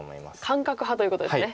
感覚派ということですね。